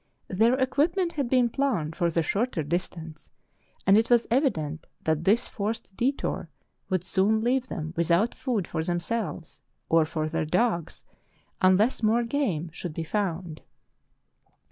Their equipment had been planned for the shorter distance, and it was evident that this forced detour would soon leave them without food for 354 True Tales of Arctic Heroism themselves or for their dogs unless more game should be found.